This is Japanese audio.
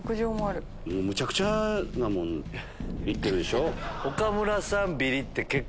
むちゃくちゃなもん行ってるでしょ。